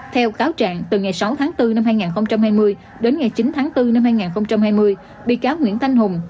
theo cáo trạng từ ngày sáu tháng bốn năm hai nghìn hai mươi đến ngày chín tháng bốn năm hai nghìn hai mươi bị cáo nguyễn thanh hùng